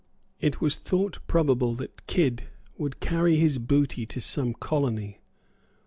It was thought probable that Kidd would carry his booty to some colony.